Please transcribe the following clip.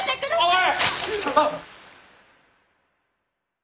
おい！